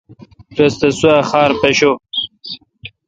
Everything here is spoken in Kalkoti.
رس تہ سوا خار پیشو ۔